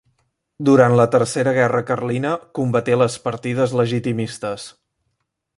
Durant la Tercera Guerra Carlina combaté les partides legitimistes.